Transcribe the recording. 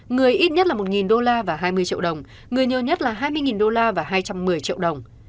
người ít nhất là một đô la và hai mươi triệu đồng người nhiều nhất là hai mươi đô la và hai trăm một mươi triệu đồng